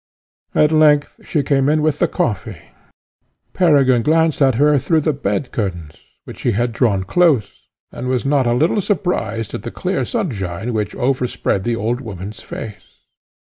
At length she came in with the coffee. Peregrine glanced at her through the bed curtains, which he had drawn close, and was not a little surprised at the clear sunshine which overspread the old woman's face.